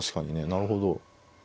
なるほど。